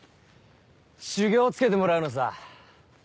修業をつけてもらうのさ。